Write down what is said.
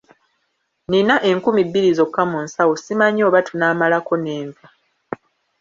Nina enkumi bbiri zokka mu nsawo simanyi oba tunaamalako n'enva.